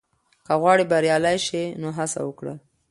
که غواړې بریالی شې، نو هڅه وکړه.